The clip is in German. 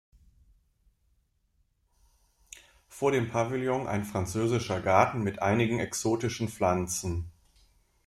Vor dem Pavillon ein französischer Garten mit einigen exotischen Pflanzen.